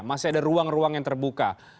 masih ada ruang ruang yang terbuka